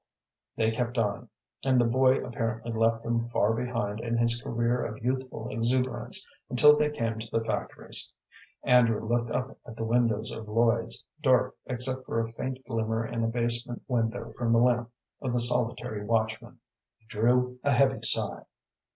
They kept on, and the boy apparently left them far behind in his career of youthful exuberance, until they came to the factories. Andrew looked up at the windows of Lloyd's, dark except for a faint glimmer in a basement window from the lamp of the solitary watchman, and drew a heavy sigh.